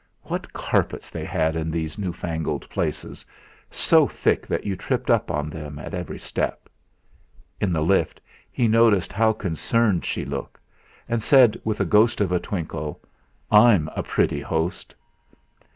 What carpets they had in these newfangled places, so thick that you tripped up in them at every step! In the lift he noticed how concerned she looked, and said with the ghost of a twinkle: "I'm a pretty host."